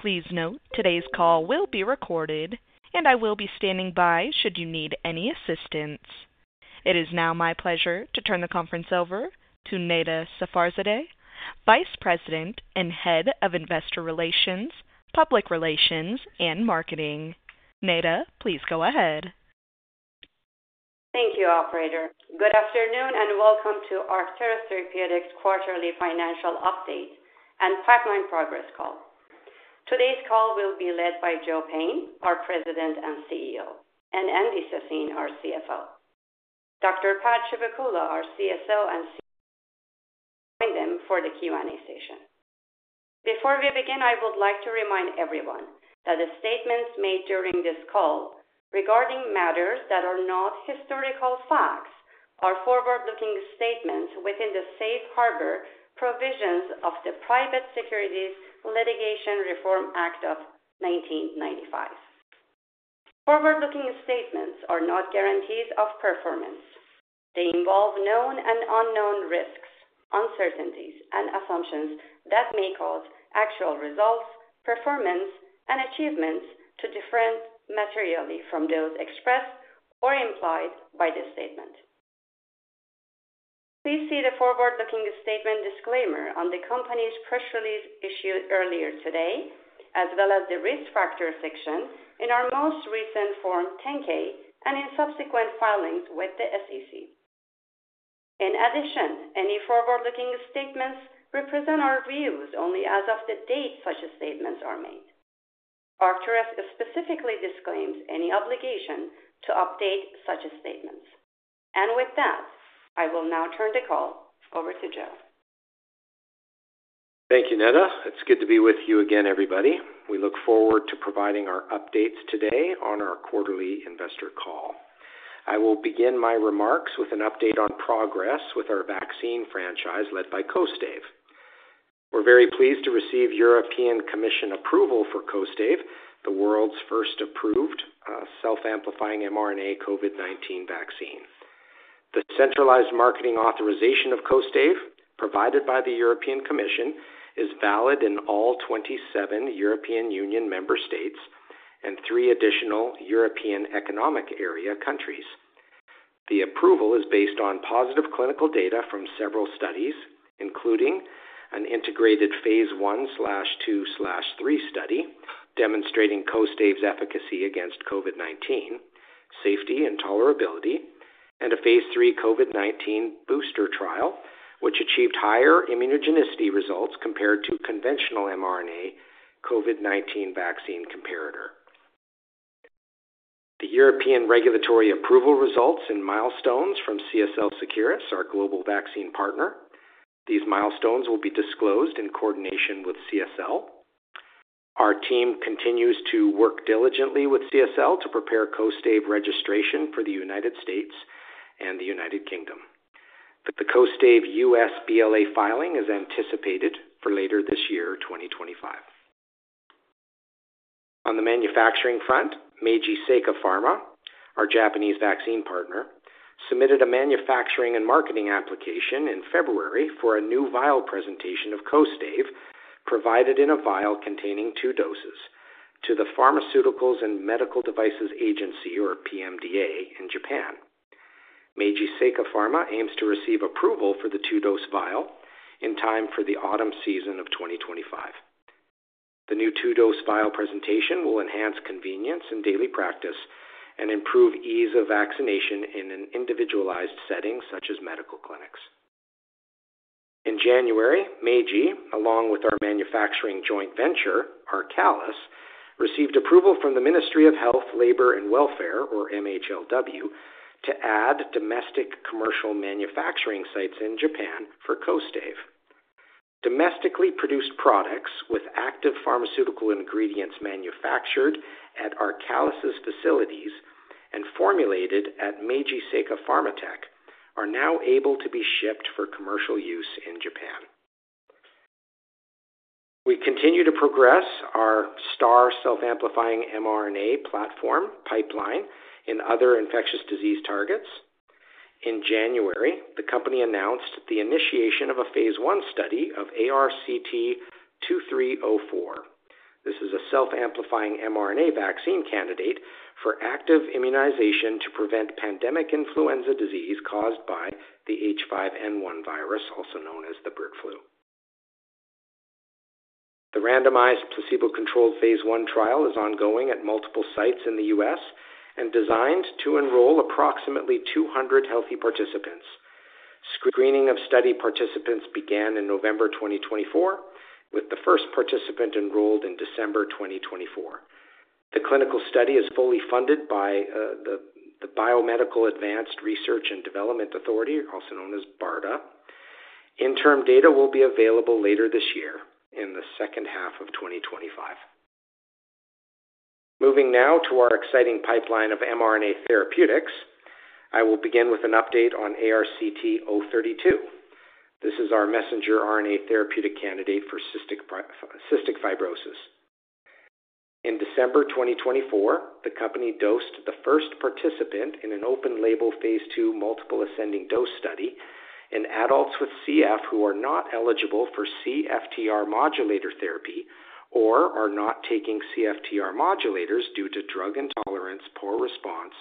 Please note, today's call will be recorded, and I will be standing by should you need any assistance. It is now my pleasure to turn the conference over to Neda Safarzadeh, Vice President and Head of Investor Relations, Public Relations, and Marketing. Neda, please go ahead. Thank you, Operator. Good afternoon and welcome to Arcturus Therapeutics' quarterly financial update and pipeline progress call. Today's call will be led by Joe Payne, our President and CEO, and Andy Sassine, our CFO. Dr. Pad Chivukula, our CSO, will join them for the Q&A session. Before we begin, I would like to remind everyone that the statements made during this call regarding matters that are not historical facts are forward-looking statements within the safe harbor provisions of the Private Securities Litigation Reform Act of 1995. Forward-looking statements are not guarantees of performance. They involve known and unknown risks, uncertainties, and assumptions that may cause actual results, performance, and achievements to differ materially from those expressed or implied by this statement. Please see the forward-looking statement disclaimer on the company's press release issued earlier today, as well as the risk factor section in our most recent Form 10-K and in subsequent filings with the SEC. In addition, any forward-looking statements represent our views only as of the date such statements are made. Arcturus specifically disclaims any obligation to update such statements. I will now turn the call over to Joe. Thank you, Neda. It's good to be with you again, everybody. We look forward to providing our updates today on our quarterly investor call. I will begin my remarks with an update on progress with our vaccine franchise led by Costive. We're very pleased to receive European Commission approval for Costive, the world's first approved self-amplifying mRNA COVID-19 vaccine. The centralized marketing authorization of Costive, provided by the European Commission, is valid in all 27 European Union member states and three additional European Economic Area countries. The approval is based on positive clinical data from several studies, including an integrated phase 1/2/3 study demonstrating Costive's efficacy against COVID-19, safety and tolerability, and a phase 3 COVID-19 booster trial, which achieved higher immunogenicity results compared to conventional mRNA COVID-19 vaccine comparator. The European regulatory approval results and milestones from CSL Seqirus, our global vaccine partner. These milestones will be disclosed in coordination with CSL. Our team continues to work diligently with CSL to prepare Costive registration for the United States and the United Kingdom. The Costive U.S. BLA filing is anticipated for later this year, 2025. On the manufacturing front, Meiji Seika Pharma, our Japanese vaccine partner, submitted a manufacturing and marketing application in February for a new vial presentation of Costive, provided in a vial containing two doses, to the Pharmaceuticals and Medical Devices Agency, or PMDA, in Japan. Meiji Seika Pharma aims to receive approval for the two-dose vial in time for the autumn season of 2025. The new two-dose vial presentation will enhance convenience in daily practice and improve ease of vaccination in an individualized setting such as medical clinics. In January, Meiji, along with our manufacturing joint venture, Arcalis, received approval from the Ministry of Health, Labor and Welfare, or MHLW, to add domestic commercial manufacturing sites in Japan for Costive. Domestically produced products with active pharmaceutical ingredients manufactured at Arcalis's facilities and formulated at Meiji Seika Pharma Tech are now able to be shipped for commercial use in Japan. We continue to progress our star self-amplifying mRNA platform pipeline in other infectious disease targets. In January, the company announced the initiation of a phase 1 study of ARCT-2304. This is a self-amplifying mRNA vaccine candidate for active immunization to prevent pandemic influenza disease caused by the H5N1 virus, also known as the bird flu. The randomized placebo-controlled phase 1 trial is ongoing at multiple sites in the U.S. and designed to enroll approximately 200 healthy participants. Screening of study participants began in November 2024, with the first participant enrolled in December 2024. The clinical study is fully funded by the Biomedical Advanced Research and Development Authority, also known as BARDA. Interim data will be available later this year in the second half of 2025. Moving now to our exciting pipeline of mRNA therapeutics, I will begin with an update on ARCT-032. This is our messenger RNA therapeutic candidate for cystic fibrosis. In December 2024, the company dosed the first participant in an open-label phase 2 multiple ascending dose study in adults with CF who are not eligible for CFTR modulator therapy or are not taking CFTR modulators due to drug intolerance, poor response,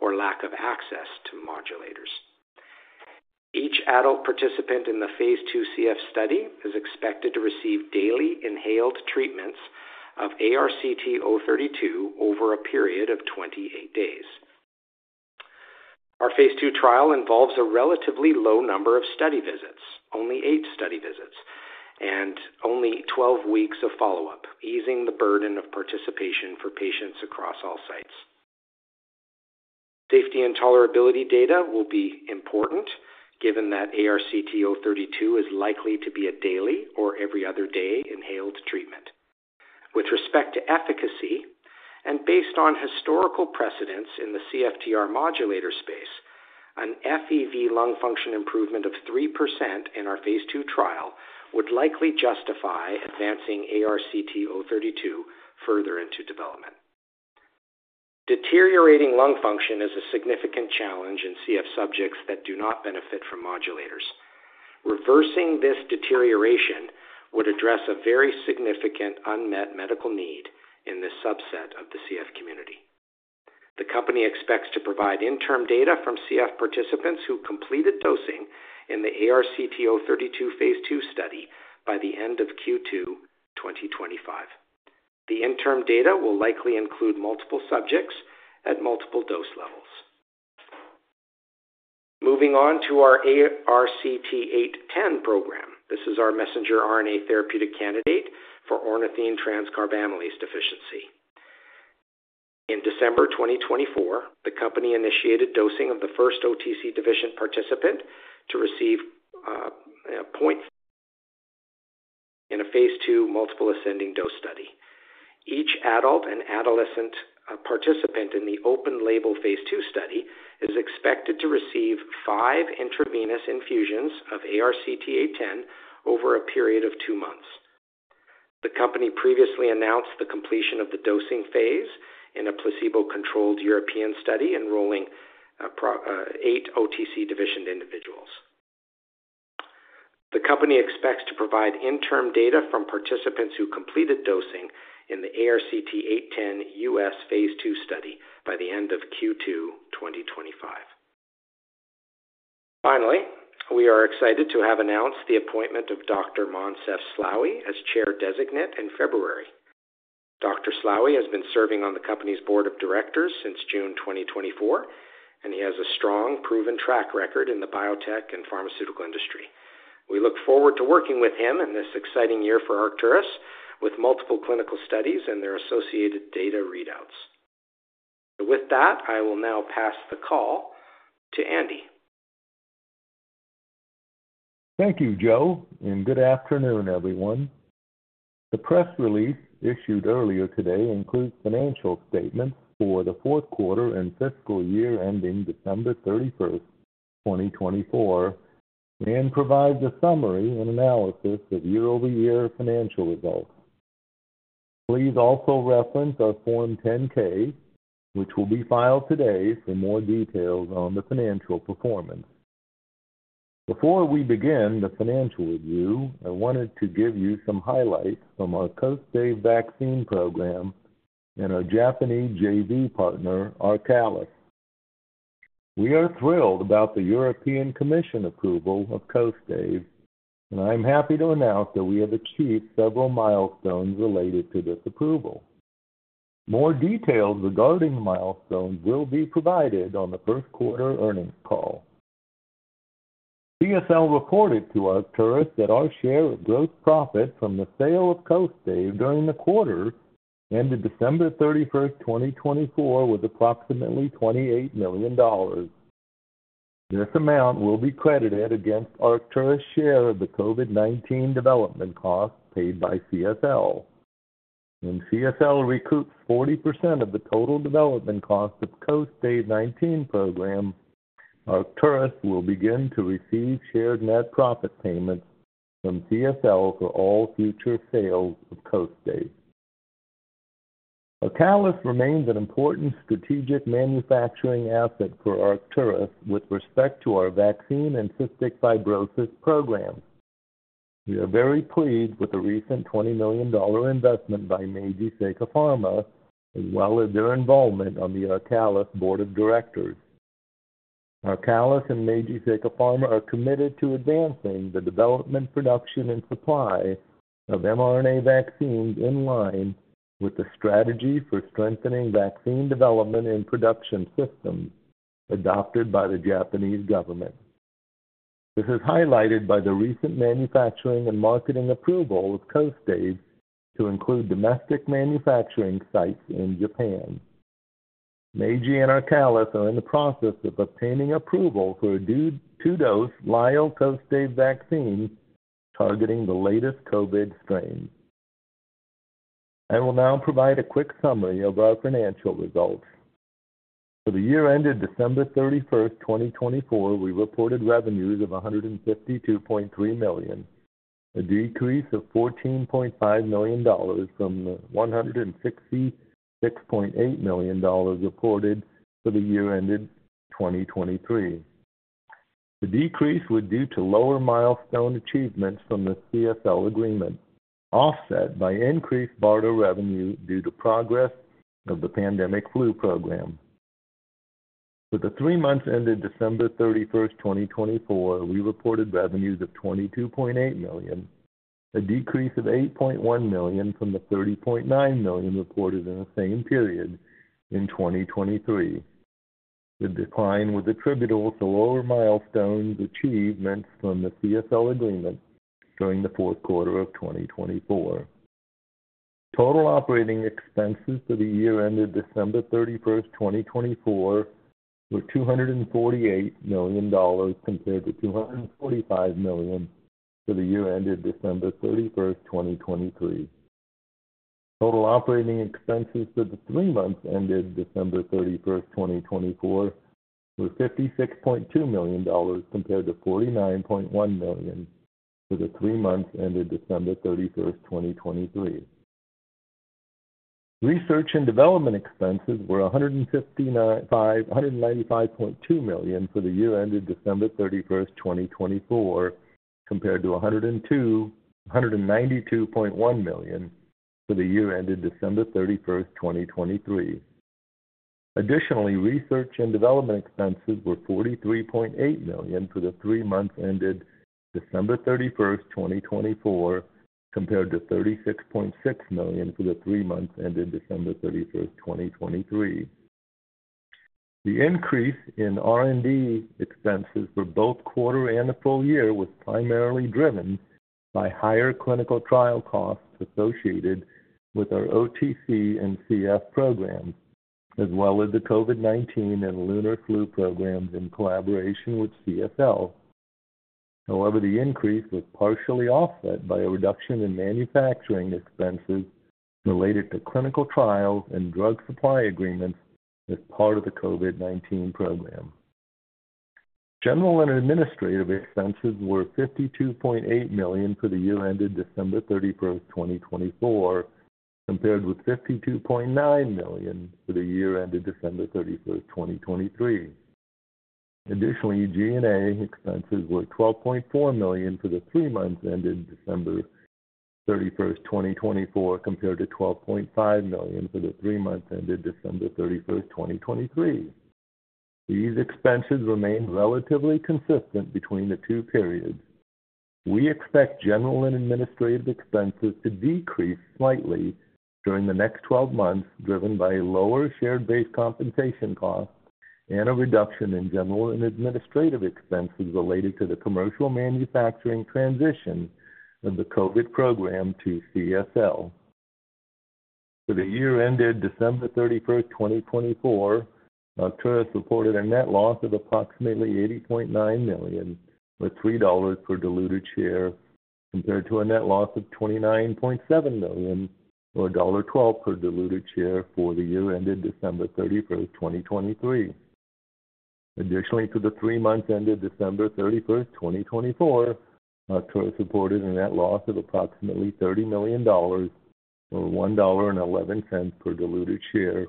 or lack of access to modulators. Each adult participant in the phase 2 CF study is expected to receive daily inhaled treatments of ARCT-032 over a period of 28 days. Our phase II trial involves a relatively low number of study visits, only eight study visits, and only 12 weeks of follow-up, easing the burden of participation for patients across all sites. Safety and tolerability data will be important, given that ARCT-032 is likely to be a daily or every other day inhaled treatment. With respect to efficacy, and based on historical precedents in the CFTR modulator space, an FEV1 lung function improvement of 3% in our phase II trial would likely justify advancing ARCT-032 further into development. Deteriorating lung function is a significant challenge in CF subjects that do not benefit from modulators. Reversing this deterioration would address a very significant unmet medical need in this subset of the CF community. The company expects to provide interim data from CF participants who completed dosing in the ARCT-032 phase 2 study by the end of Q2 2025. The interim data will likely include multiple subjects at multiple dose levels. Moving on to our ARCT-810 program. This is our messenger RNA therapeutic candidate for ornithine transcarbamylase deficiency. In December 2024, the company initiated dosing of the first OTC deficient participant to receive points in a phase II multiple ascending dose study. Each adult and adolescent participant in the open-label phase 2 study is expected to receive five intravenous infusions of ARCT-810 over a period of two months. The company previously announced the completion of the dosing phase in a placebo-controlled European study enrolling eight OTC deficient individuals. The company expects to provide interim data from participants who completed dosing in the ARCT-810 U.S. phase 2 study by the end of Q2 2025. Finally, we are excited to have announced the appointment of Dr. Moncef Slaoui as Chair Designate in February. Dr. Slaoui has been serving on the company's board of directors since June 2024, and he has a strong, proven track record in the biotech and pharmaceutical industry. We look forward to working with him in this exciting year for Arcturus with multiple clinical studies and their associated data readouts. With that, I will now pass the call to Andy. Thank you, Joe, and good afternoon, everyone. The press release issued earlier today includes financial statements for the fourth quarter and fiscal year ending December 31, 2024, and provides a summary and analysis of year-over-year financial results. Please also reference our Form 10-K, which will be filed today for more details on the financial performance. Before we begin the financial review, I wanted to give you some highlights from our Costive vaccine program and our Japanese JV partner, Arcalis. We are thrilled about the European Commission approval of Costive, and I'm happy to announce that we have achieved several milestones related to this approval. More details regarding milestones will be provided on the first quarter earnings call. CSL reported to Arcturus that our share of gross profit from the sale of Costive during the quarter ended December 31, 2024, was approximately $28 million. This amount will be credited against Arcturus' share of the COVID-19 development costs paid by CSL. When CSL recoups 40% of the total development costs of the Costive 19 program, Arcturus will begin to receive shared net profit payments from CSL for all future sales of Costive. Arcalis remains an important strategic manufacturing asset for Arcturus with respect to our vaccine and cystic fibrosis programs. We are very pleased with the recent $20 million investment by Meiji Seika Pharma, as well as their involvement on the Arcalis board of directors. Arcalis and Meiji Seika Pharma are committed to advancing the development, production, and supply of mRNA vaccines in line with the strategy for strengthening vaccine development and production systems adopted by the Japanese government. This is highlighted by the recent manufacturing and marketing approval of Costive to include domestic manufacturing sites in Japan. Seika Pharma and Arcalis are in the process of obtaining approval for a two-dose Costive vaccine targeting the latest COVID strain. I will now provide a quick summary of our financial results. For the year ended December 31, 2024, we reported revenues of $152.3 million, a decrease of $14.5 million from the $166.8 million reported for the year ended 2023. The decrease was due to lower milestone achievements from the CSL Seqirus agreement, offset by increased BARDA revenue due to progress of the pandemic flu program. For the three months ended December 31, 2024, we reported revenues of $22.8 million, a decrease of $8.1 million from the $30.9 million reported in the same period in 2023. The decline was attributable to lower milestone achievements from the CSL Seqirus agreement during the fourth quarter of 2024. Total operating expenses for the year ended December 31, 2024, were $248 million compared to $245 million for the year ended December 31, 2023. Total operating expenses for the three months ended December 31, 2024, were $56.2 million compared to $49.1 million for the three months ended December 31, 2023. Research and development expenses were $195.2 million for the year ended December 31, 2024, compared to $192.1 million for the year ended December 31, 2023. Additionally, research and development expenses were $43.8 million for the three months ended December 31, 2024, compared to $36.6 million for the three months ended December 31, 2023. The increase in R&D expenses for both quarter and the full year was primarily driven by higher clinical trial costs associated with our OTC and CF programs, as well as the COVID-19 and lunar flu programs in collaboration with CSL. However, the increase was partially offset by a reduction in manufacturing expenses related to clinical trials and drug supply agreements as part of the COVID-19 program. General and administrative expenses were $52.8 million for the year ended December 31, 2024, compared with $52.9 million for the year ended December 31, 2023. Additionally, G&A expenses were $12.4 million for the three months ended December 31, 2024, compared to $12.5 million for the three months ended December 31, 2023. These expenses remain relatively consistent between the two periods. We expect general and administrative expenses to decrease slightly during the next 12 months, driven by lower share-based compensation costs and a reduction in general and administrative expenses related to the commercial manufacturing transition of the COVID program to CSL. For the year ended December 31st, 2024, Arcturus reported a net loss of approximately $80.9 million, or $3 per diluted share, compared to a net loss of $29.7 million, or $12 per diluted share for the year ended December 31st, 2023. Additionally, for the three months ended December 31st, 2024, Arcturus reported a net loss of approximately $30 million, or $1.11 per diluted share,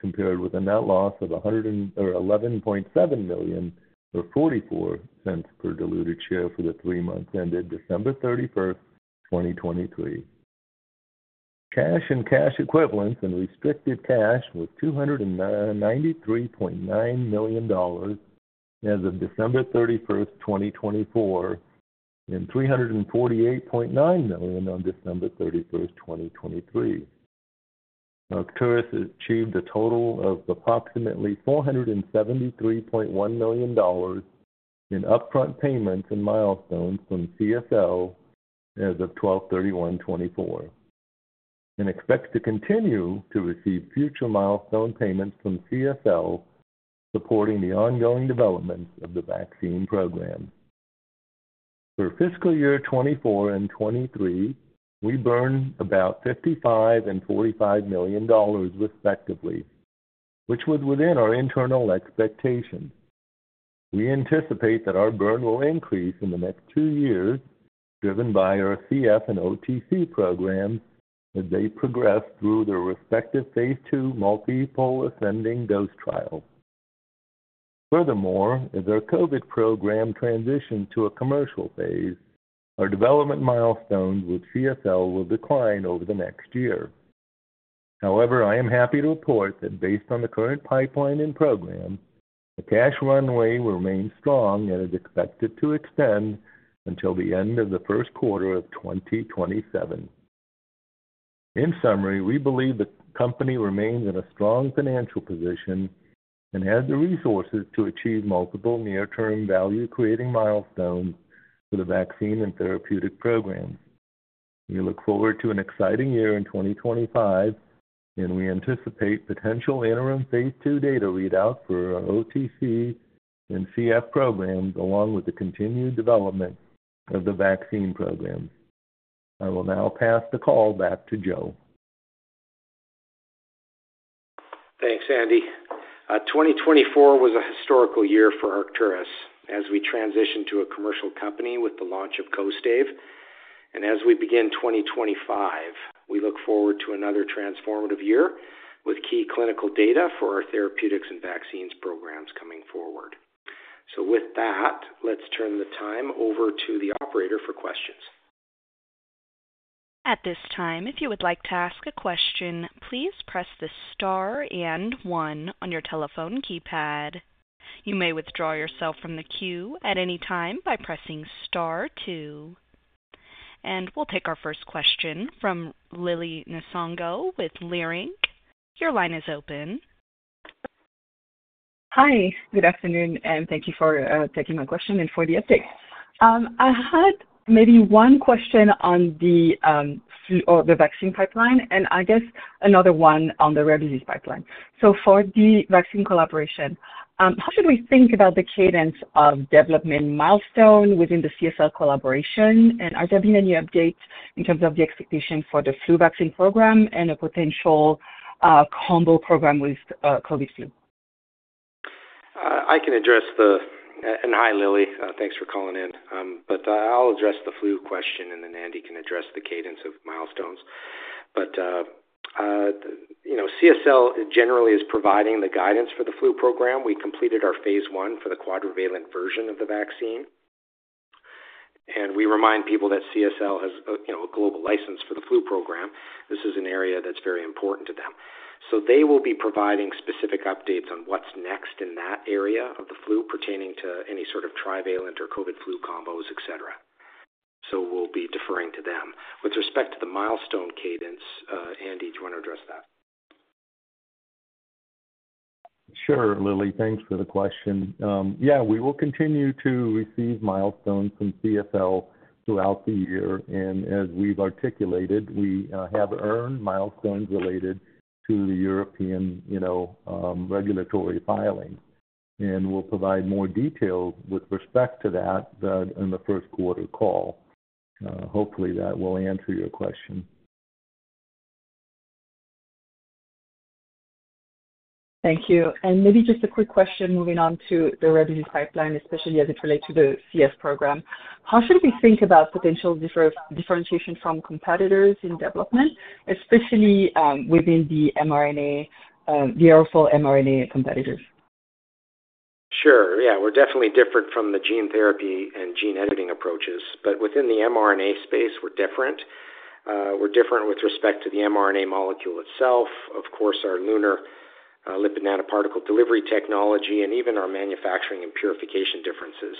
compared with a net loss of $11.7 million, or $0.44 per diluted share for the three months ended December 31st, 2023. Cash and cash equivalents and restricted cash was $293.9 million as of December 31st, 2024, and $348.9 million on December 31st, 2023. Arcturus achieved a total of approximately $473.1 million in upfront payments and milestones from CSL as of 12/31/24, and expects to continue to receive future milestone payments from CSL supporting the ongoing developments of the vaccine program. For fiscal year 2024 and 2023, we burned about $55 million and $45 million, respectively, which was within our internal expectations. We anticipate that our burn will increase in the next two years, driven by our CF and OTC programs as they progress through their respective phase 2 multiple ascending dose trials. Furthermore, as our COVID program transitioned to a commercial phase, our development milestones with CSL will decline over the next year. However, I am happy to report that based on the current pipeline and program, the cash runway will remain strong and is expected to extend until the end of the first quarter of 2027. In summary, we believe the company remains in a strong financial position and has the resources to achieve multiple near-term value-creating milestones for the vaccine and therapeutic programs. We look forward to an exciting year in 2025, and we anticipate potential interim phase 2 data readouts for our OTC and CF programs, along with the continued development of the vaccine programs. I will now pass the call back to Joe. Thanks, Andy. 2024 was a historical year for Arcturus as we transitioned to a commercial company with the launch of Costive. As we begin 2025, we look forward to another transformative year with key clinical data for our therapeutics and vaccines programs coming forward. With that, let's turn the time over to the operator for questions. At this time, if you would like to ask a question, please press the star and one on your telephone keypad. You may withdraw yourself from the queue at any time by pressing star two. We will take our first question from Lili Nsongo with Leerink. Your line is open. Hi, good afternoon, and thank you for taking my question and for the update. I had maybe one question on the flu or the vaccine pipeline, and I guess another one on the rare disease pipeline. For the vaccine collaboration, how should we think about the cadence of development milestones within the CSL collaboration? Has there been any updates in terms of the expectation for the flu vaccine program and a potential combo program with COVID flu? I can address the, and hi, Lili. Thanks for calling in. I'll address the flu question, and then Andy can address the cadence of milestones. CSL generally is providing the guidance for the flu program. We completed our phase one for the quadrivalent version of the vaccine. I remind people that CSL has a global license for the flu program. This is an area that's very important to them. They will be providing specific updates on what's next in that area of the flu pertaining to any sort of trivalent or COVID flu combos, etc. We will be deferring to them. With respect to the milestone cadence, Andy, do you want to address that? Sure, Lili. Thanks for the question. Yeah, we will continue to receive milestones from CSL throughout the year. As we've articulated, we have earned milestones related to the European regulatory filings. We will provide more details with respect to that in the first quarter call. Hopefully, that will answer your question. Thank you. Maybe just a quick question moving on to the rare disease pipeline, especially as it relates to the CS program. How should we think about potential differentiation from competitors in development, especially within the mRNA, the aerosol mRNA competitors? Sure. Yeah, we're definitely different from the gene therapy and gene editing approaches. Within the mRNA space, we're different. We're different with respect to the mRNA molecule itself, of course, our lunar lipid nanoparticle delivery technology, and even our manufacturing and purification differences.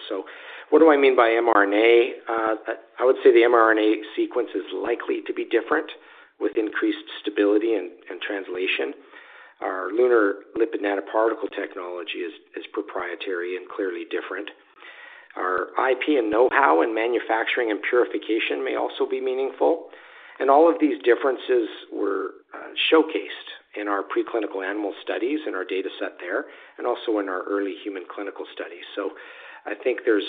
What do I mean by mRNA? I would say the mRNA sequence is likely to be different with increased stability and translation. Our lunar lipid nanoparticle technology is proprietary and clearly different. Our IP and know-how in manufacturing and purification may also be meaningful. All of these differences were showcased in our preclinical animal studies and our dataset there, and also in our early human clinical studies. I think there's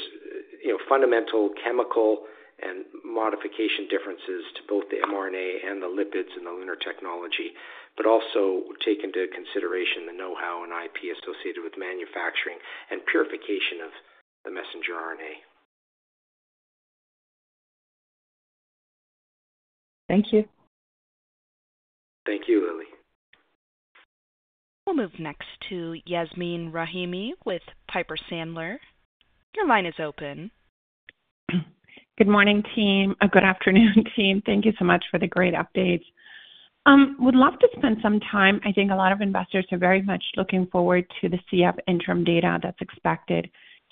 fundamental chemical and modification differences to both the mRNA and the lipids and the lunar technology, but also take into consideration the know-how and IP associated with manufacturing and purification of the messenger RNA. Thank you. Thank you, Lili. We'll move next to Yasmeen Rahimi with Piper Sandler. Your line is open. Good morning, team. Good afternoon, team. Thank you so much for the great updates. Would love to spend some time. I think a lot of investors are very much looking forward to the CF interim data that's expected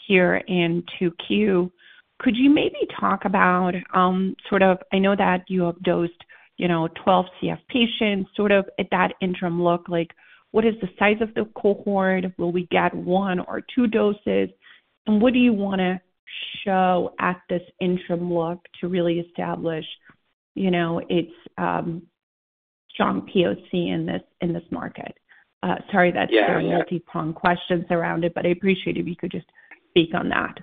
here in Q2. Could you maybe talk about sort of, I know that you have dosed 12 CF patients. At that interim look, what is the size of the cohort? Will we get one or two doses? What do you want to show at this interim look to really establish its strong POC in this market? Sorry, that's very multi-pronged questions around it, but I appreciate if you could just speak on that.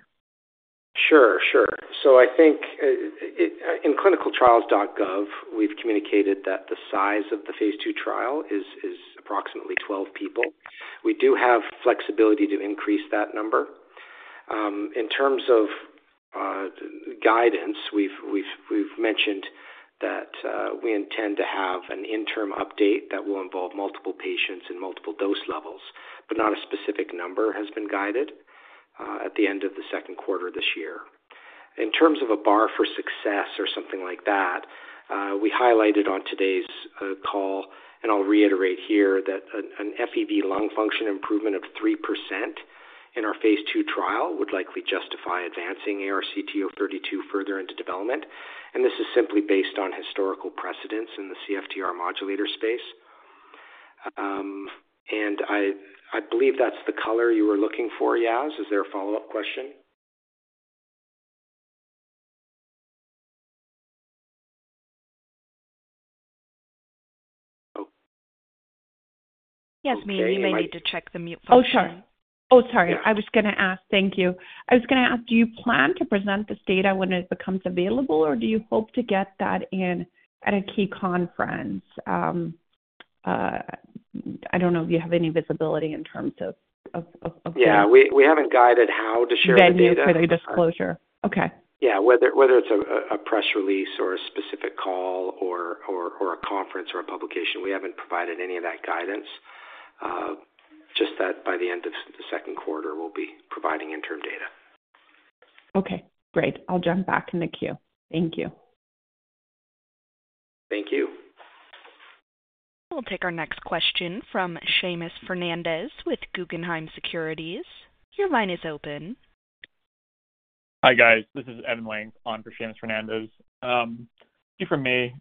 Sure, sure. I think in clinicaltrials.gov, we've communicated that the size of the phase two trial is approximately 12 people. We do have flexibility to increase that number. In terms of guidance, we've mentioned that we intend to have an interim update that will involve multiple patients and multiple dose levels, but not a specific number has been guided at the end of the second quarter this year. In terms of a bar for success or something like that, we highlighted on today's call, and I'll reiterate here that an FEV1 lung function improvement of 3% in our phase two trial would likely justify advancing ARCT-032 further into development. This is simply based on historical precedence in the CFTR modulator space. I believe that's the color you were looking for, Yas. Is there a follow-up question? Yasmeen, you may need to check the mute function. Oh, sorry. I was going to ask. Thank you. I was going to ask, do you plan to present this data when it becomes available, or do you hope to get that in at a key conference? I don't know if you have any visibility in terms of. Yeah. We haven't guided how to share the data. Any disclosure? Okay. Yeah. Whether it's a press release or a specific call or a conference or a publication, we haven't provided any of that guidance. Just that by the end of the second quarter, we'll be providing interim data. Okay. Great. I'll jump back in the queue. Thank you. Thank you. We'll take our next question from Seamus Fernandez with Guggenheim Securities. Your line is open. Hi, guys. This is Evan on for Seamus Fernandez. A few from me.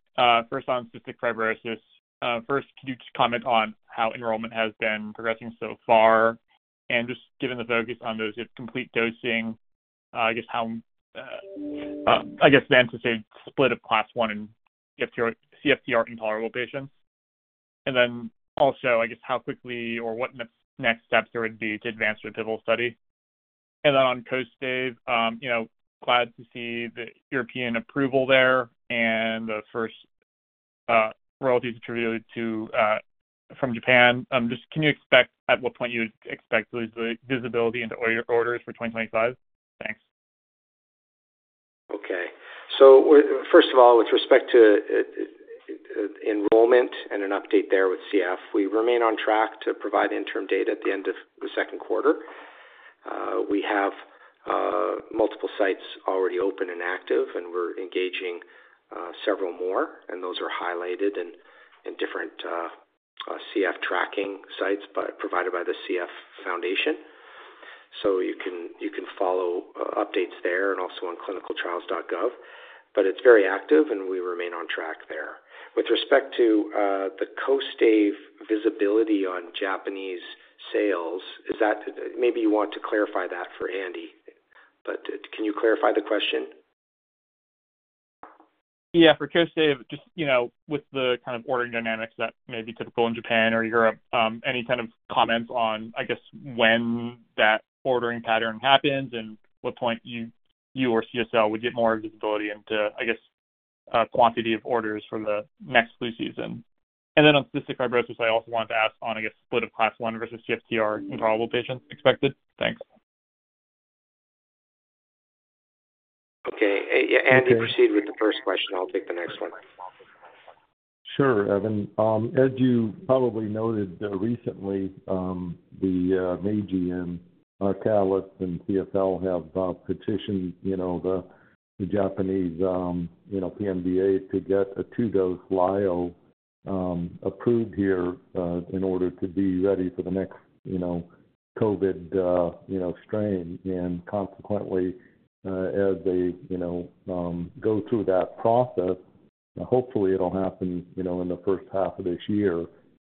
First on cystic fibrosis. First, could you just comment on how enrollment has been progressing so far? Just given the focus on those complete dosing, I guess the anticipated split of class one and CFTR intolerable patients. I guess how quickly or what next steps there would be to advance to the pivotal study. On Costive, glad to see the European approval there and the first royalties attributed to from Japan. Just can you expect at what point you would expect visibility into orders for 2025? Thanks. Okay. First of all, with respect to enrollment and an update there with CF, we remain on track to provide interim data at the end of the second quarter. We have multiple sites already open and active, and we're engaging several more. Those are highlighted in different CF tracking sites provided by the CF Foundation. You can follow updates there and also on clinicaltrials.gov. It is very active, and we remain on track there. With respect to the Costive visibility on Japanese sales, maybe you want to clarify that for Andy, but can you clarify the question? Yeah. For Costive, just with the kind of ordering dynamics that may be typical in Japan or Europe, any kind of comments on, I guess, when that ordering pattern happens and at what point you or CSL would get more visibility into, I guess, quantity of orders for the next flu season. On cystic fibrosis, I also wanted to ask on, I guess, split of class one versus CFTR intolerable patients expected. Thanks. Okay. Andy, proceed with the first question. I'll take the next one. Sure, Evan. As you probably noted recently, Meiji Seika Pharma and Arcalis and CSL Seqirus have petitioned the Japanese PMDA to get a two-dose Lyo approved here in order to be ready for the next COVID strain. As they go through that process, hopefully, it'll happen in the first half of this year.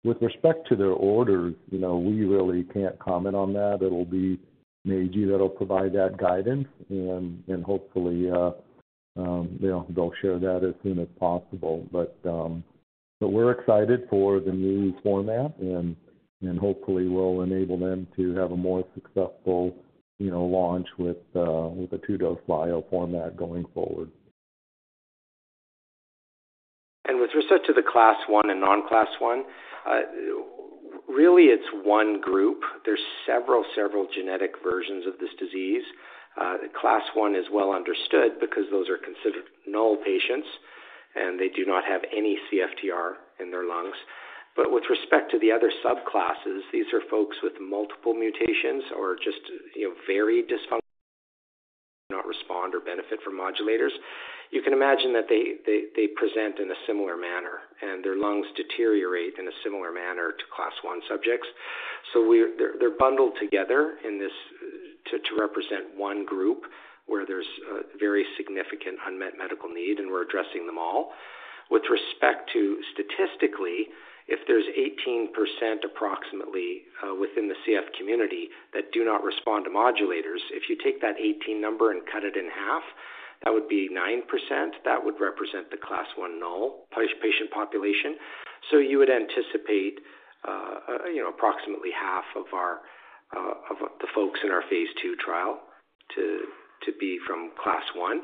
With respect to their orders, we really can't comment on that. It'll be Meiji Seika Pharma that'll provide that guidance. Hopefully, they'll share that as soon as possible. We're excited for the new format, and hopefully, we'll enable them to have a more successful launch with a two-dose Lyo format going forward. With respect to the class one and non-class one, really, it's one group. There are several, several genetic versions of this disease. Class one is well understood because those are considered null patients, and they do not have any CFTR in their lungs. With respect to the other subclasses, these are folks with multiple mutations or just very dysfunctional that do not respond or benefit from modulators. You can imagine that they present in a similar manner, and their lungs deteriorate in a similar manner to class one subjects. They are bundled together to represent one group where there is a very significant unmet medical need, and we are addressing them all. With respect to statistically, if there is 18% approximately within the CF community that do not respond to modulators, if you take that 18 number and cut it in half, that would be 9%. That would represent the class one null patient population. You would anticipate approximately half of the folks in our phase two trial to be from class one.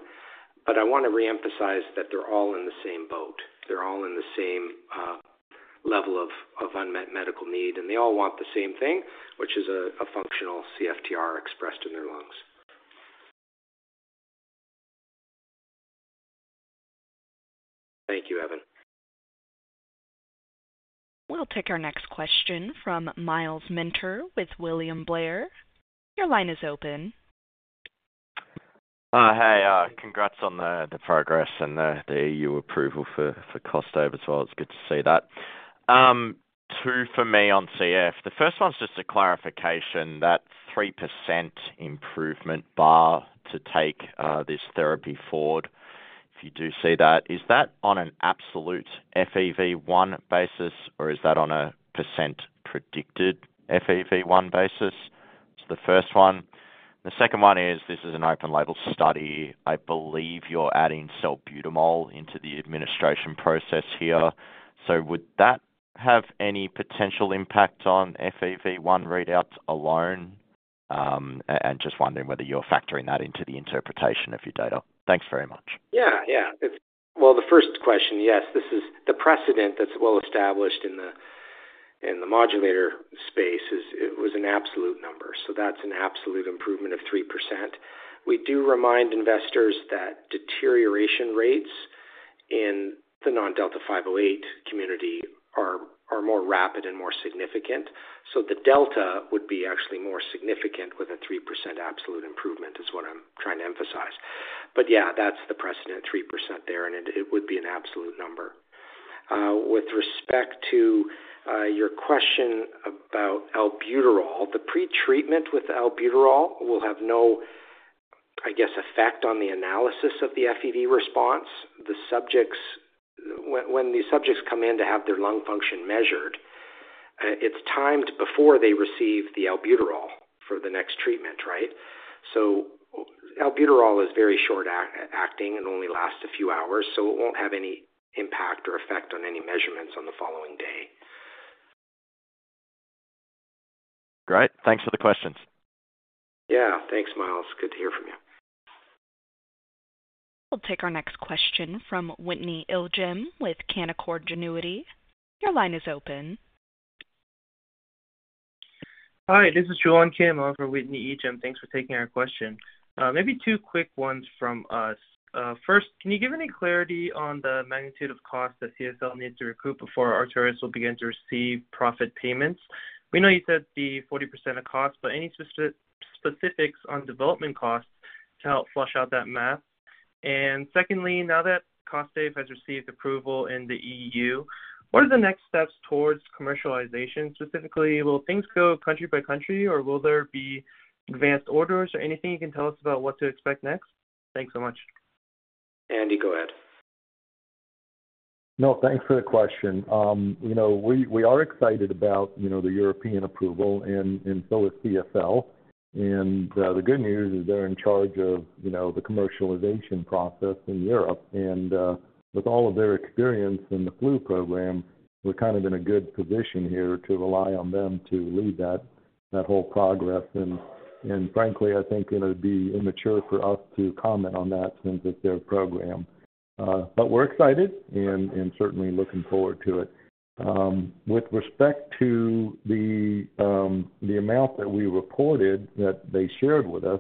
I want to reemphasize that they're all in the same boat. They're all in the same level of unmet medical need, and they all want the same thing, which is a functional CFTR expressed in their lungs. Thank you, Evan. We'll take our next question from Myles Minter with William Blair. Your line is open. Hi. Congrats on the progress and the EU approval for Costive as well. It's good to see that. Two for me on CF. The first one's just a clarification that 3% improvement bar to take this therapy forward, if you do see that. Is that on an absolute FEV1 basis, or is that on a percent predicted FEV1 basis? It's the first one. The second one is this is an open-label study. I believe you're adding salbutamol into the administration process here. Would that have any potential impact on FEV1 readouts alone? I'm just wondering whether you're factoring that into the interpretation of your data. Thanks very much. Yeah, yeah. The first question, yes. The precedent that's well established in the modulator space was an absolute number. That's an absolute improvement of 3%. We do remind investors that deterioration rates in the non-Delta 508 community are more rapid and more significant. The delta would be actually more significant with a 3% absolute improvement is what I'm trying to emphasize. Yeah, that's the precedent 3% there, and it would be an absolute number. With respect to your question about albuterol, the pretreatment with albuterol will have no, I guess, effect on the analysis of the FEV1 response. When these subjects come in to have their lung function measured, it's timed before they receive the albuterol for the next treatment, right? Albuterol is very short-acting and only lasts a few hours, so it won't have any impact or effect on any measurements on the following day. Great. Thanks for the questions. Yeah. Thanks, Myles. Good to hear from you. We'll take our next question from Whitney Ijem with Canaccord Genuity. Your line is open. Hi, this is Jocob Kim over at Whitney Ijem. Thanks for taking our question. Maybe two quick ones from us. First, can you give any clarity on the magnitude of cost that CSL needs to recoup before Arcturus will begin to receive profit payments? We know you said the 40% of cost, but any specifics on development costs to help flush out that math? Secondly, now that Costive has received approval in the European Union, what are the next steps towards commercialization? Specifically, will things go country by country, or will there be advanced orders? Anything you can tell us about what to expect next? Thanks so much. Andy, go ahead. No, thanks for the question. We are excited about the European approval, and so is CSL. The good news is they're in charge of the commercialization process in Europe. With all of their experience in the flu program, we're kind of in a good position here to rely on them to lead that whole progress. Frankly, I think it would be immature for us to comment on that since it's their program. We're excited and certainly looking forward to it. With respect to the amount that we reported that they shared with us,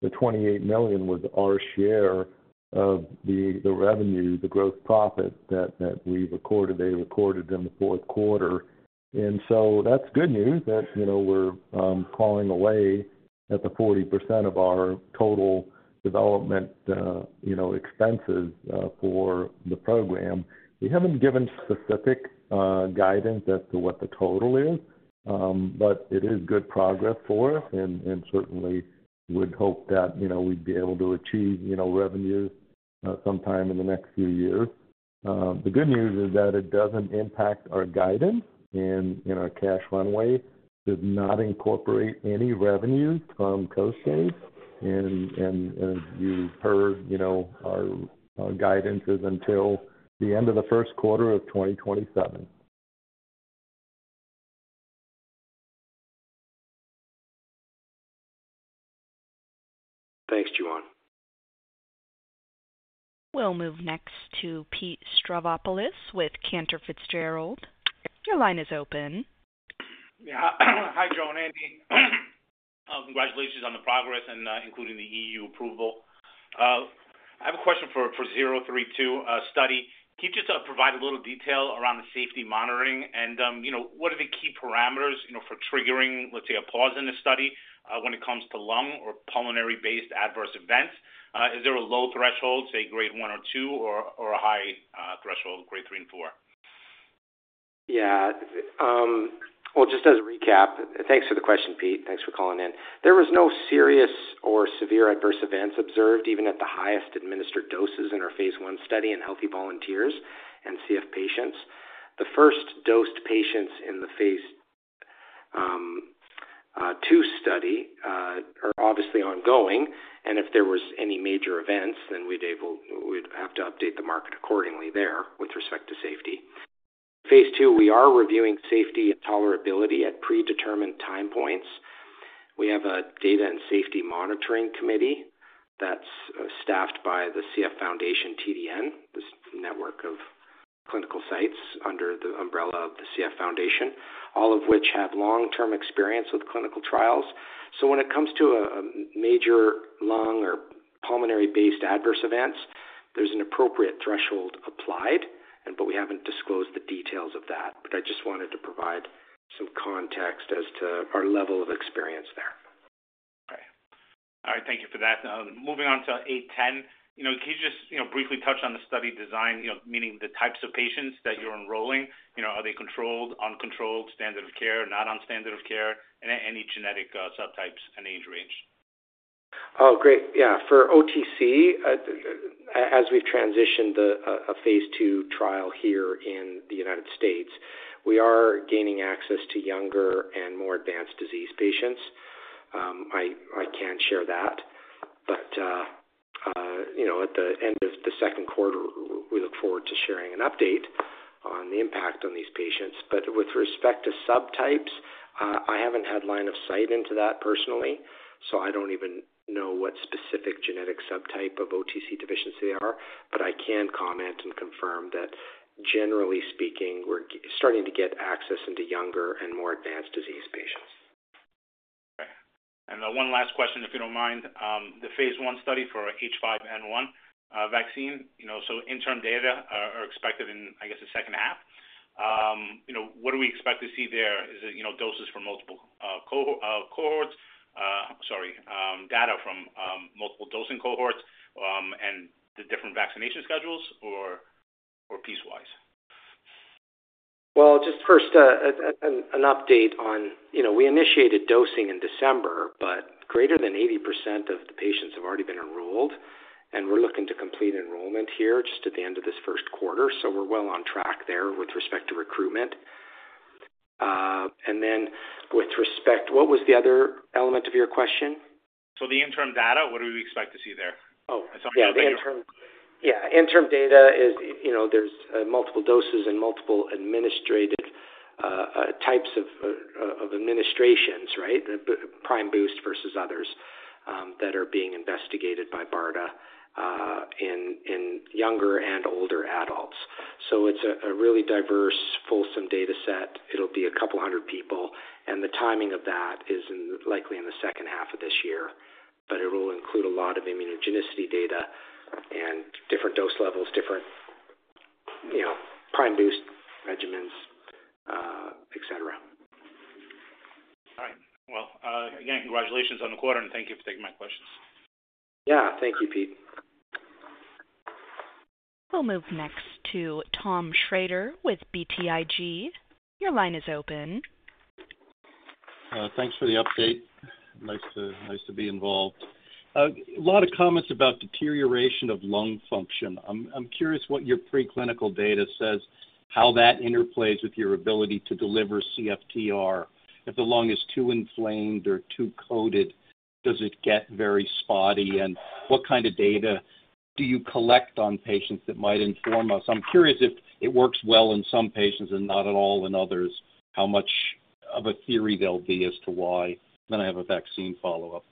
the $28 million was our share of the revenue, the gross profit that they recorded in the fourth quarter. That's good news that we're clawing away at the 40% of our total development expenses for the program. We haven't given specific guidance as to what the total is, but it is good progress for us, and certainly would hope that we'd be able to achieve revenues sometime in the next few years. The good news is that it doesn't impact our guidance, and our cash runway does not incorporate any revenues from Costive. As you've heard, our guidance is until the end of the first quarter of 2027. Thanks, Jolan. We'll move next to Pete Stravopoulos with Cantor Fitzgerald. Your line is open. Yeah. Hi, Joe and Andy. Congratulations on the progress and including the EU approval. I have a question for 032 study. Can you just provide a little detail around the safety monitoring? What are the key parameters for triggering, let's say, a pause in the study when it comes to lung or pulmonary-based adverse events? Is there a low threshold, say, grade one or two, or a high threshold, grade three and four? Yeah. Just as a recap, thanks for the question, Pete. Thanks for calling in. There were no serious or severe adverse events observed even at the highest administered doses in our phase one study in healthy volunteers and CF patients. The first-dosed patients in the phase two study are obviously ongoing. If there were any major events, then we'd have to update the market accordingly there with respect to safety. Phase two, we are reviewing safety and tolerability at predetermined time points. We have a data and safety monitoring committee that's staffed by the CF Foundation TDN, this network of clinical sites under the umbrella of the CF Foundation, all of which have long-term experience with clinical trials. When it comes to major lung or pulmonary-based adverse events, there's an appropriate threshold applied, but we haven't disclosed the details of that. I just wanted to provide some context as to our level of experience there. Okay. All right. Thank you for that. Moving on to 810. Can you just briefly touch on the study design, meaning the types of patients that you're enrolling? Are they controlled, uncontrolled, standard of care, not on standard of care, and any genetic subtypes and age range? Oh, great. Yeah. For OTC, as we've transitioned a phase two trial here in the United States, we are gaining access to younger and more advanced disease patients. I can share that. At the end of the second quarter, we look forward to sharing an update on the impact on these patients. With respect to subtypes, I haven't had line of sight into that personally, so I don't even know what specific genetic subtype of OTC deficiency they are. I can comment and confirm that, generally speaking, we're starting to get access into younger and more advanced disease patients. Okay. One last question, if you don't mind. The phase I study for H5N1 vaccine, interim data are expected in, I guess, the second half. What do we expect to see there? Is it doses for multiple cohorts? Sorry. Data from multiple dosing cohorts and the different vaccination schedules or piecewise? First, an update on we initiated dosing in December, but greater than 80% of the patients have already been enrolled. We are looking to complete enrollment here just at the end of this first quarter. We are well on track there with respect to recruitment. With respect, what was the other element of your question? The interim data, what do we expect to see there? Oh, yeah. Interim data is there's multiple doses and multiple types of administrations, right? Prime boost versus others that are being investigated by BARDA in younger and older adults. It is a really diverse, fulsome data set. It'll be a couple hundred people. The timing of that is likely in the second half of this year. It will include a lot of immunogenicity data and different dose levels, different prime boost regimens, etc. All right. Again, congratulations on the quarter, and thank you for taking my questions. Yeah. Thank you, Pete. We'll move next to Tom Shrader with BTIG. Your line is open. Thanks for the update. Nice to be involved. A lot of comments about deterioration of lung function. I'm curious what your preclinical data says, how that interplays with your ability to deliver CFTR. If the lung is too inflamed or too coated, does it get very spotty? What kind of data do you collect on patients that might inform us? I'm curious if it works well in some patients and not at all in others, how much of a theory there'll be as to why. I have a vaccine follow-up.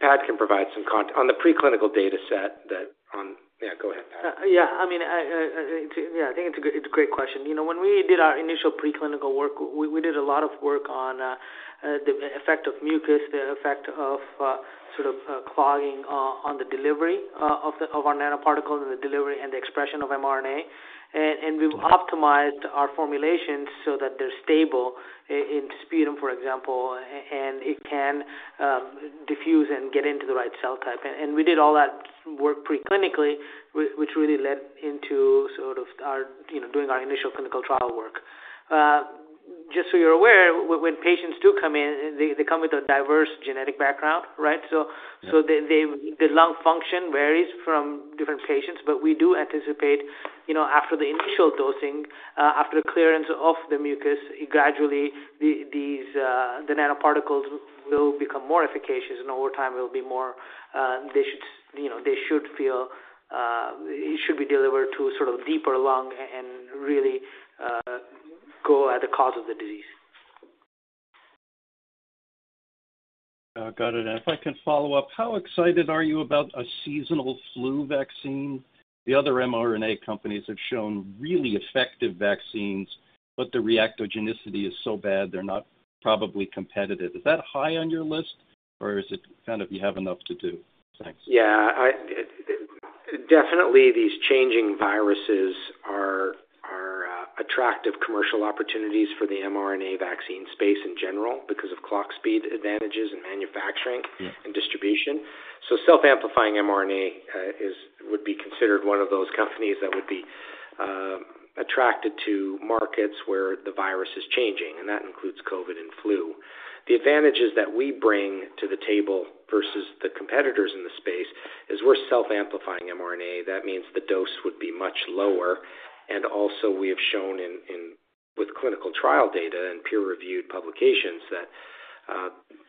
That can provide some context on the preclinical data set that on yeah, go ahead, Pad. Yeah. I mean, yeah, I think it's a great question. When we did our initial preclinical work, we did a lot of work on the effect of mucus, the effect of sort of clogging on the delivery of our nanoparticles and the delivery and the expression of mRNA. We've optimized our formulations so that they're stable in sputum, for example, and it can diffuse and get into the right cell type. We did all that work preclinically, which really led into sort of doing our initial clinical trial work. Just so you're aware, when patients do come in, they come with a diverse genetic background, right? The lung function varies from different patients, but we do anticipate after the initial dosing, after the clearance of the mucus, gradually the nanoparticles will become more efficacious, and over time, they should feel it should be delivered to sort of deeper lung and really go at the cause of the disease. Got it. If I can follow up, how excited are you about a seasonal flu vaccine? The other mRNA companies have shown really effective vaccines, but the reactogenicity is so bad they're not probably competitive. Is that high on your list, or is it kind of you have enough to do? Thanks. Yeah. Definitely, these changing viruses are attractive commercial opportunities for the mRNA vaccine space in general because of clock speed advantages in manufacturing and distribution. Self-amplifying mRNA would be considered one of those companies that would be attracted to markets where the virus is changing. That includes COVID and flu. The advantages that we bring to the table versus the competitors in the space is we're self-amplifying mRNA. That means the dose would be much lower. Also, we have shown with clinical trial data and peer-reviewed publications that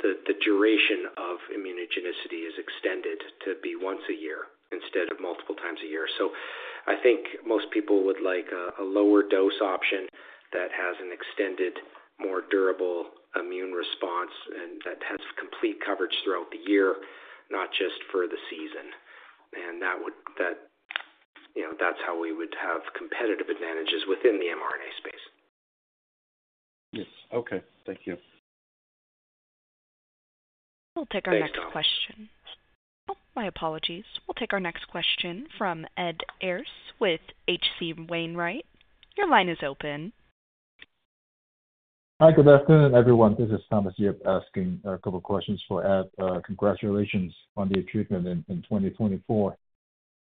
the duration of immunogenicity is extended to be once a year instead of multiple times a year. I think most people would like a lower dose option that has an extended, more durable immune response and that has complete coverage throughout the year, not just for the season. That is how we would have competitive advantages within the mRNA space. Yes. Okay. Thank you. We'll take our next question. Oh, my apologies. We'll take our next question from Ed Ayres with H.C Wainwright. Your line is open. Hi, good afternoon, everyone. This is Thomas. You're asking a couple of questions for Ed. Congratulations on the achievement in 2024.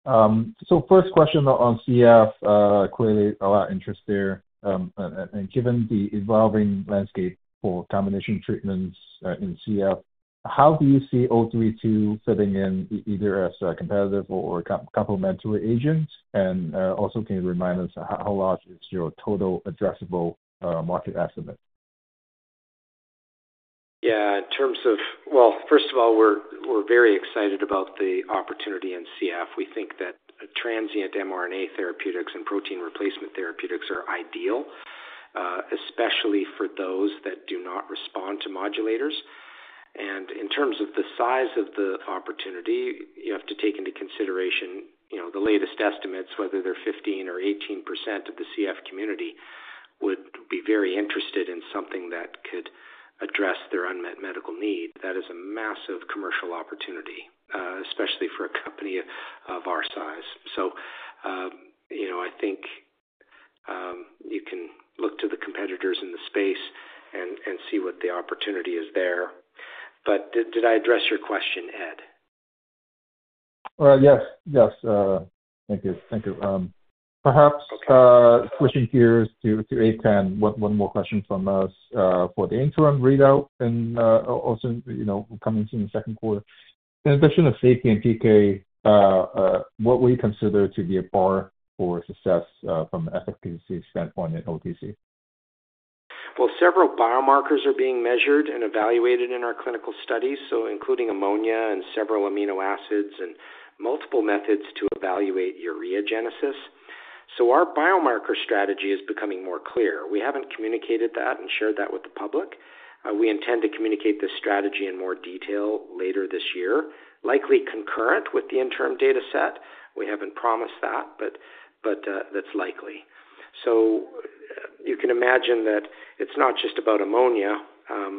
First question on CF, clearly a lot of interest there. Given the evolving landscape for combination treatments in CF, how do you see 032 fitting in either as a competitive or complementary agent? Also, can you remind us how large is your total addressable market estimate? Yeah. First of all, we're very excited about the opportunity in CF. We think that transient mRNA therapeutics and protein replacement therapeutics are ideal, especially for those that do not respond to modulators. In terms of the size of the opportunity, you have to take into consideration the latest estimates, whether they're 15% or 18% of the CF community would be very interested in something that could address their unmet medical need. That is a massive commercial opportunity, especially for a company of our size. I think you can look to the competitors in the space and see what the opportunity is there. Did I address your question, Ed? Yes. Yes. Thank you. Thank you. Perhaps switching gears to 810, one more question from us for the interim readout and also coming to the second quarter. In addition to safety and PK, what would you consider to be a bar for success from an efficacy standpoint in OTC? Several biomarkers are being measured and evaluated in our clinical studies, including ammonia and several amino acids and multiple methods to evaluate ureogenesis. Our biomarker strategy is becoming more clear. We haven't communicated that and shared that with the public. We intend to communicate this strategy in more detail later this year, likely concurrent with the interim data set. We haven't promised that, but that's likely. You can imagine that it's not just about ammonia. There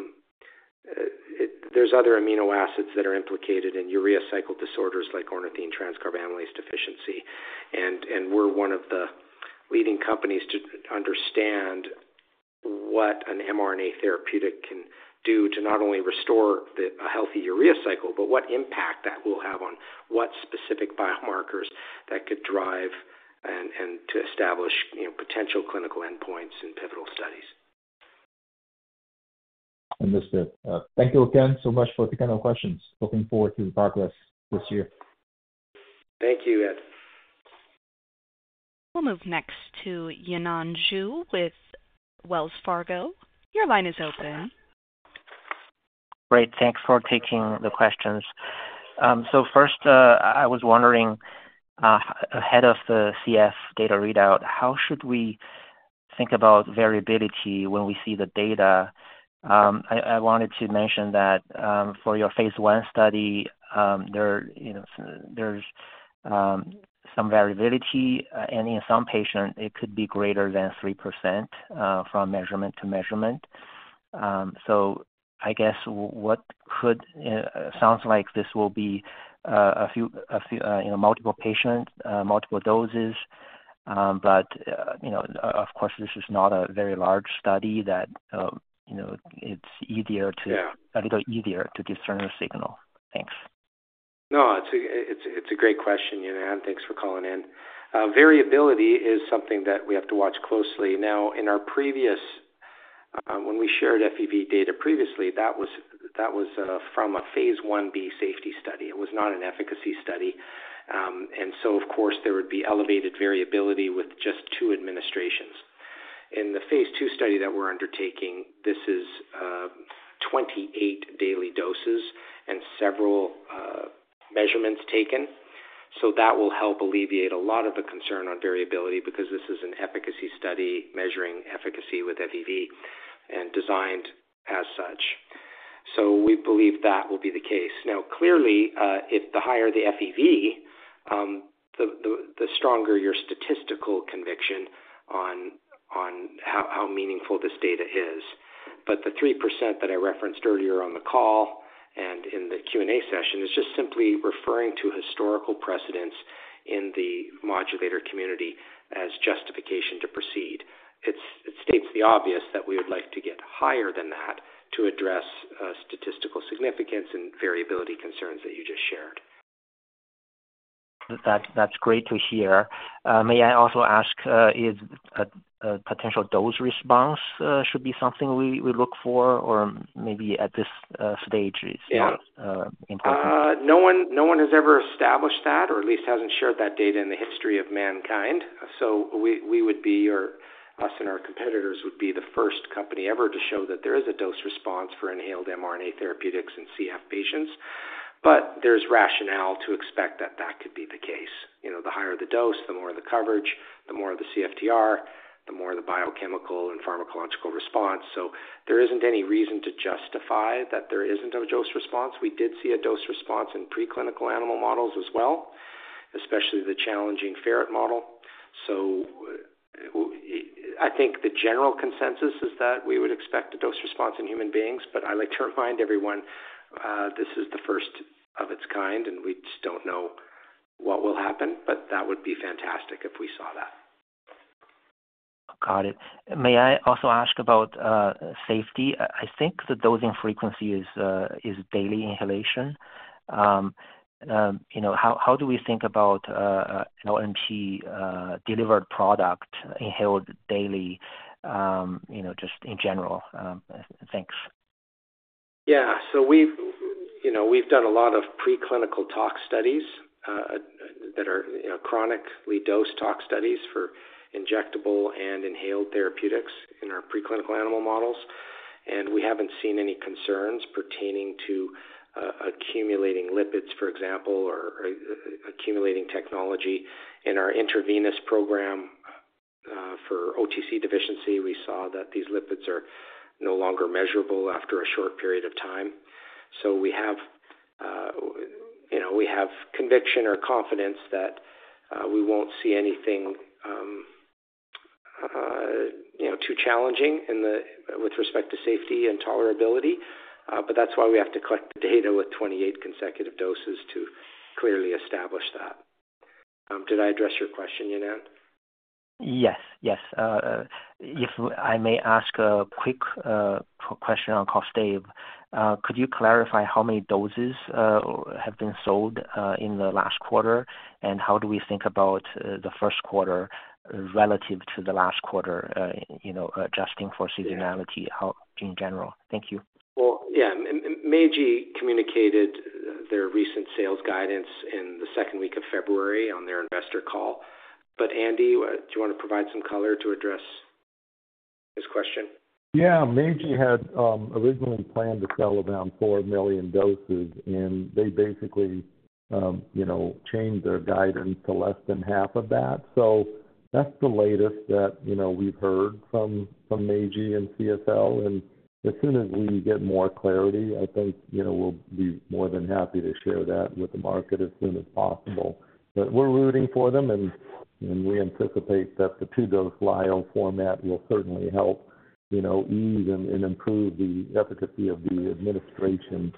are other amino acids that are implicated in urea cycle disorders like ornithine transcarbamylase deficiency. We're one of the leading companies to understand what an mRNA therapeutic can do to not only restore a healthy urea cycle, but what impact that will have on what specific biomarkers that could drive and to establish potential clinical endpoints and pivotal studies. Understood. Thank you again so much for the kind of questions. Looking forward to the progress this year. Thank you, Ed. We'll move next to Yanan Zhu with Wells Fargo. Your line is open. Great. Thanks for taking the questions. First, I was wondering, ahead of the CF data readout, how should we think about variability when we see the data? I wanted to mention that for your phase one study, there is some variability. In some patients, it could be greater than 3% from measurement to measurement. I guess what it sounds like is this will be a few multiple patients, multiple doses. Of course, this is not a very large study, so it is a little easier to discern a signal. Thanks. No, it's a great question, Yinan. Thanks for calling in. Variability is something that we have to watch closely. Now, in our previous when we shared FEV1 data previously, that was from a phase one B safety study. It was not an efficacy study. Of course, there would be elevated variability with just two administrations. In the phase two study that we're undertaking, this is 28 daily doses and several measurements taken. That will help alleviate a lot of the concern on variability because this is an efficacy study measuring efficacy with FEV1 and designed as such. We believe that will be the case. Now, clearly, the higher the FEV1, the stronger your statistical conviction on how meaningful this data is. The 3% that I referenced earlier on the call and in the Q&A session is just simply referring to historical precedents in the modulator community as justification to proceed. It states the obvious that we would like to get higher than that to address statistical significance and variability concerns that you just shared. That's great to hear. May I also ask, is a potential dose response should be something we look for, or maybe at this stage, it's not important? Yeah. No one has ever established that, or at least hasn't shared that data in the history of mankind. We would be, or us and our competitors would be, the first company ever to show that there is a dose response for inhaled mRNA therapeutics in CF patients. There is rationale to expect that that could be the case. The higher the dose, the more the coverage, the more the CFTR, the more the biochemical and pharmacological response. There isn't any reason to justify that there isn't a dose response. We did see a dose response in preclinical animal models as well, especially the challenging ferret model. I think the general consensus is that we would expect a dose response in human beings. I like to remind everyone, this is the first of its kind, and we just don't know what will happen, but that would be fantastic if we saw that. Got it. May I also ask about safety? I think the dosing frequency is daily inhalation. How do we think about an OMP-delivered product inhaled daily, just in general? Thanks. Yeah. We have done a lot of preclinical tox studies that are chronically dosed tox studies for injectable and inhaled therapeutics in our preclinical animal models. We have not seen any concerns pertaining to accumulating lipids, for example, or accumulating technology. In our intravenous program for OTC deficiency, we saw that these lipids are no longer measurable after a short period of time. We have conviction or confidence that we will not see anything too challenging with respect to safety and tolerability. That is why we have to collect the data with 28 consecutive doses to clearly establish that. Did I address your question, Yanan? Yes. Yes. If I may ask a quick question on Costive, could you clarify how many doses have been sold in the last quarter, and how do we think about the first quarter relative to the last quarter, adjusting for seasonality in general? Thank you. Meiji communicated their recent sales guidance in the second week of February on their investor call. Andy, do you want to provide some color to address his question? Yeah. Meiji had originally planned to sell around 4 million doses, and they basically changed their guidance to less than half of that. That is the latest that we've heard from Meiji and CSL. As soon as we get more clarity, I think we'll be more than happy to share that with the market as soon as possible. We're rooting for them, and we anticipate that the two-dose LIO format will certainly help ease and improve the efficacy of the administration,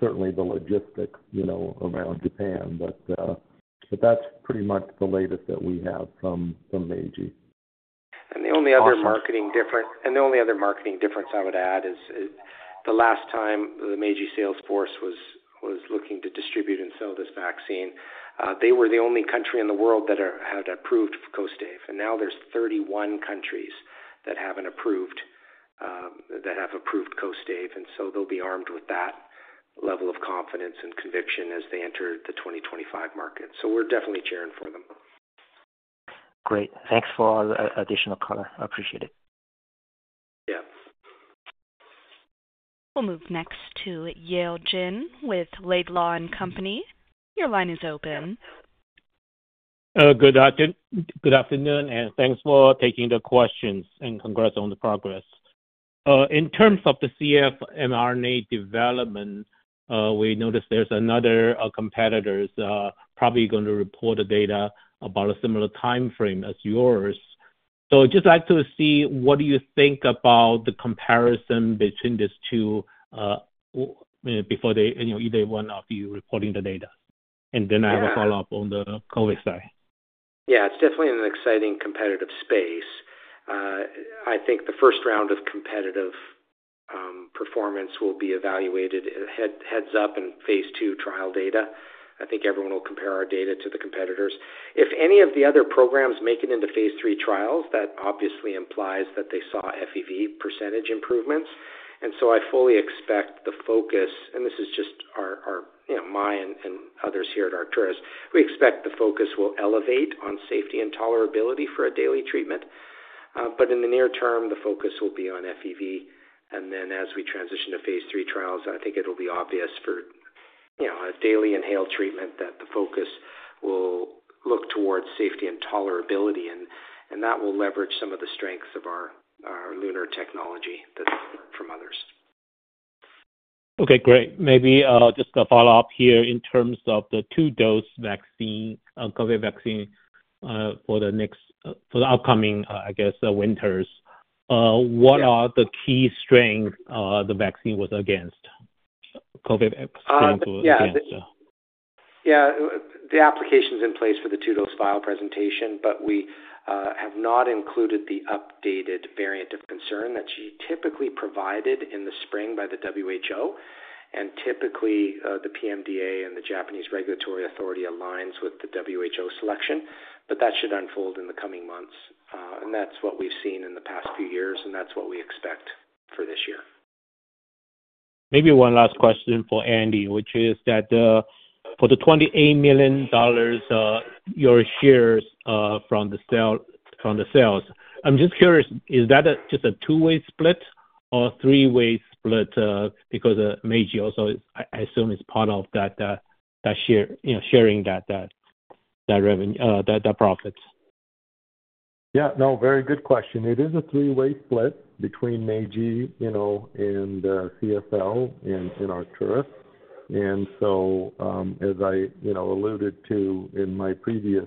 certainly the logistics around Japan. That is pretty much the latest that we have from Meiji. The only other marketing difference I would add is the last time the Meiji salesforce was looking to distribute and sell this vaccine, they were the only country in the world that had approved Costive. Now there are 31 countries that have approved Costive. They will be armed with that level of confidence and conviction as they enter the 2025 market. We are definitely cheering for them. Great. Thanks for all the additional color. I appreciate it. Yeah. We'll move next to Yale Jen with Laidlaw and Company. Your line is open. Good afternoon. Thanks for taking the questions. Congrats on the progress. In terms of the CF mRNA development, we noticed there's another competitor probably going to report the data about a similar timeframe as yours. I'd just like to see what do you think about the comparison between these two before either one of you reporting the data. I have a follow-up on the COVID side. Yeah. It's definitely an exciting competitive space. I think the first round of competitive performance will be evaluated heads-up in phase two trial data. I think everyone will compare our data to the competitors. If any of the other programs make it into phase three trials, that obviously implies that they saw FEV1 percentage improvements. I fully expect the focus and this is just my and others here at Arcturus, we expect the focus will elevate on safety and tolerability for a daily treatment. In the near term, the focus will be on FEV1. As we transition to phase three trials, I think it'll be obvious for a daily inhaled treatment that the focus will look towards safety and tolerability. That will leverage some of the strengths of our LUNAR technology that's from others. Okay. Great. Maybe just a follow-up here in terms of the two-dose vaccine, COVID vaccine, for the upcoming, I guess, winters. What are the key strains the vaccine was against? COVID vaccine was against. Yeah. Yeah. The application's in place for the two-dose file presentation, but we have not included the updated variant of concern that's typically provided in the spring by the WHO. Typically, the PMDA and the Japanese regulatory authority aligns with the WHO selection. That should unfold in the coming months. That's what we've seen in the past few years, and that's what we expect for this year. Maybe one last question for Andy, which is that for the $28 million your shares from the sales, I'm just curious, is that just a two-way split or a three-way split because Meiji also I assume is part of that sharing that profit? Yeah. No, very good question. It is a three-way split between Meiji and CSL and Arcturus. As I alluded to in my previous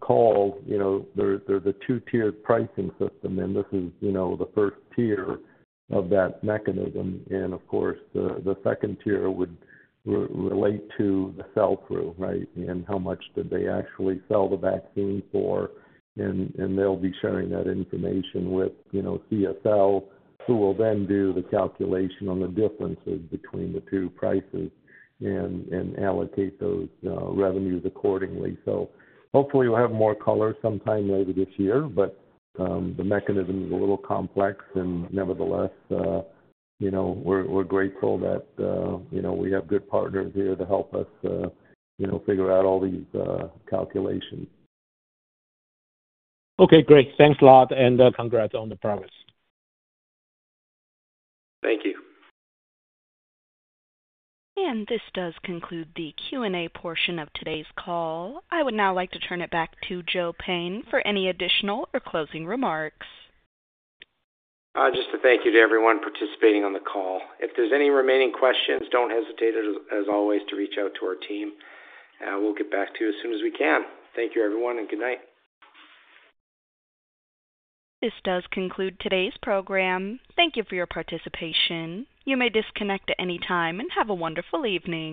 call, there's a two-tiered pricing system, and this is the first tier of that mechanism. Of course, the second tier would relate to the sell-through, right, and how much did they actually sell the vaccine for. They'll be sharing that information with CSL, who will then do the calculation on the differences between the two prices and allocate those revenues accordingly. Hopefully, we'll have more color sometime later this year. The mechanism is a little complex. Nevertheless, we're grateful that we have good partners here to help us figure out all these calculations. Okay. Great. Thanks a lot. Congrats on the progress. Thank you. This does conclude the Q&A portion of today's call. I would now like to turn it back to Joe Payne for any additional or closing remarks. Just a thank you to everyone participating on the call. If there's any remaining questions, don't hesitate, as always, to reach out to our team. We'll get back to you as soon as we can. Thank you, everyone, and good night. This does conclude today's program. Thank you for your participation. You may disconnect at any time and have a wonderful evening.